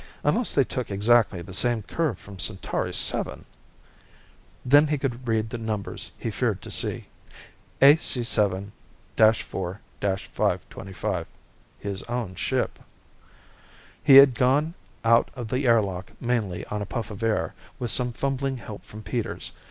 Unless they took exactly the same curve from Centauri VII _ Then he could read the numbers he feared to see. AC7 4 525. His own ship. He had gone out of the air lock mainly on a puff of air, with some fumbling help from Peters.